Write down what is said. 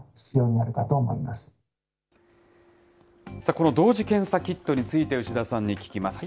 この同時検査キットについて、牛田さんに聞きます。